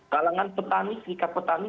kalangan petani serikat petani